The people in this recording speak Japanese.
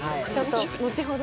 後ほど